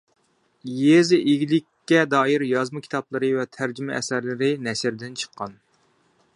يېزا ئىگىلىككە دائىر يازما كىتابلىرى ۋە تەرجىمە ئەسەرلىرى نەشردىن چىققان.